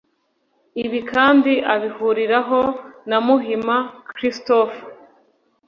Ibi kandi abihuriraho na Muhima Christopher